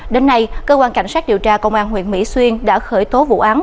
đến nay cơ quan cảnh sát điều tra công an huyện mỹ xuyên đã khởi tố vụ án